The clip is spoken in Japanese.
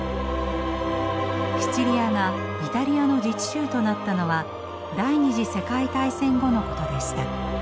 シチリアがイタリアの自治州となったのは第２次世界大戦後のことでした。